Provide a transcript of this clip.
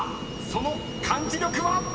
［その漢字力は⁉］